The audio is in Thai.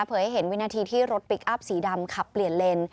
ให้เห็นวินาทีที่รถพลิกอัพสีดำขับเปลี่ยนเลน